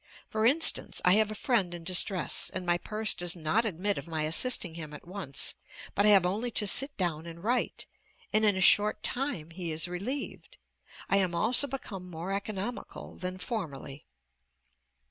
For instance, I have a friend in distress, and my purse does not admit of my assisting him at once, but I have only to sit down and write, and in a short time he is relieved. I am also become more economical than formerly....